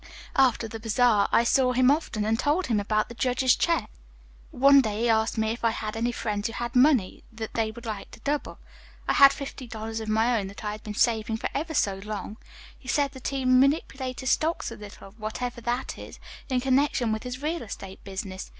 "After the bazaar I saw him often and told him about the judge's check. "One day he asked me if I had any friends who had money that they would like to double. I had fifty dollars of my own that I had been saving for ever so long, and told him about it. He said that he manipulated stocks a little (whatever that is) in connection with his real estate business.